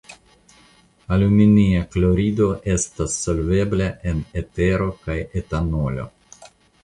Aluminia klorido estas solvebla en etero kaj etanolo.